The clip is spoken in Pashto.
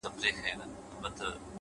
سم به خو دوى راپسي مه ږغوه ـ